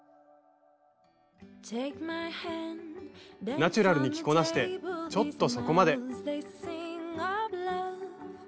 ナチュラルに着こなしてちょっとそこまで。